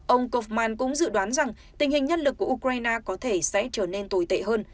ông kofman cũng dự đoán rằng tình hình nhân lực của ukraine có thể sẽ trở nên tồi tệ hơn